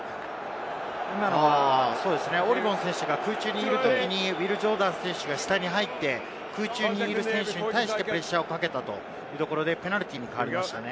オリヴォン選手が空中にいるときにウィル・ジョーダン選手が下に入って、空中にいる選手に対してプレッシャーをかけたというところでペナルティーに変わりましたね。